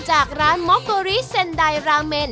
จากร้านม็อกโกริเซ็นไดราเมน